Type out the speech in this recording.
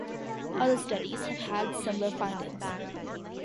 Other studies have had similar findings.